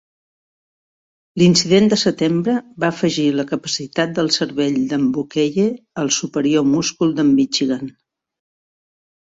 L'incident de setembre va afegir la capacitat del cervell d'en Buckeye al superior múscul d'en Michigan.